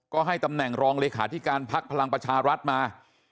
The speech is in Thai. ก็ให้ตำแหน่งรองเลขาธิการพักพลังประชารัฐมา